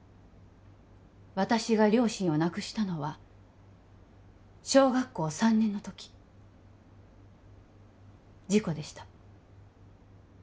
私が両親を亡くしたのは小学校３年のとき事故でした